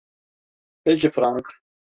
Peki Frank.